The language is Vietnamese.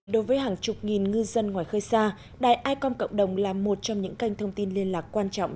đối với hàng chục nghìn ngư dân ngoài khơi xa đài icom cộng đồng là một trong những kênh thông tin liên lạc quan trọng